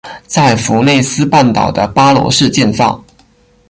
在弗内斯半岛的巴罗市建造。